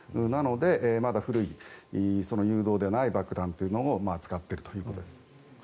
なので、まだ古い誘導ではない爆弾というのを使っているということです。